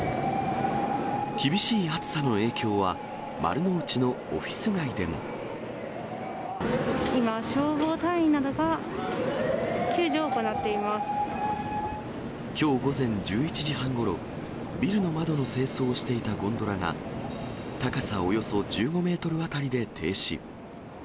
厳しい暑さの影響は、今、消防隊員などが、救助をきょう午前１１時半ごろ、ビルの窓の清掃をしていたゴンドラが、高さおよそ１５メートル辺りで停止。